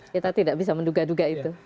kita tidak bisa menduga duga itu